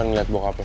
amar yang suka sih